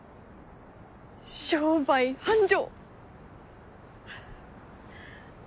商売繁盛！